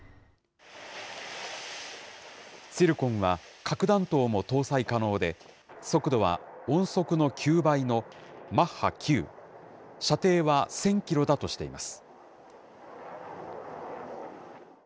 ツィルコンは、核弾頭も搭載可能で、速度は音速の９倍のマッハ９、射程は１０００キロだとしています。